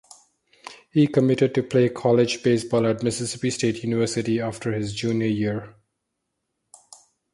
He committed to play college baseball at Mississippi State University after his junior year.